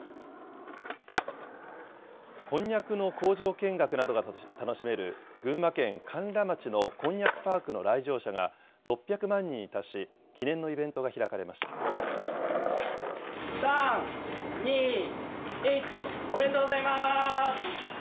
こんにゃくの工場見学などが楽しめる、群馬県甘楽町のこんにゃくパークの来場者が６００万人に達し、記おめでとうございます。